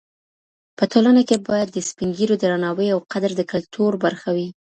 په ټولنه کي باید د سپین ږیرو درناوی او قدر د کلتور برخه وي.